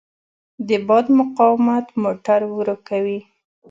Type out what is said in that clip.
د باد مقاومت موټر ورو کوي.